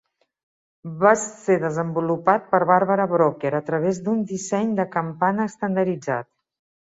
Va ser desenvolupat per Barbara Brocker a través d'un disseny de campana estandarditzat.